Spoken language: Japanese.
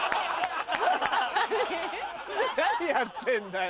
何やってんだよ。